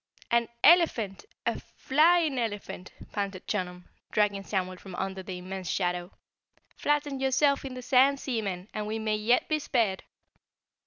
"An elephant, a flying elephant!" panted Chunum, dragging Samuel from under the immense shadow. "Flatten yourself in the sand, seaman, and we may yet be spared."